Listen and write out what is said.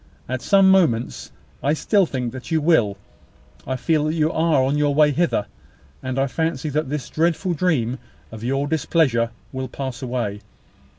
At some moments I still think that you will I feel that you are on your way hither, and I fancy that this dreadful dream of your displeasure will pass away.